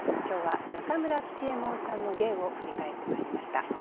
今日は中村吉右衛門さんの芸を振り返ってまいりました。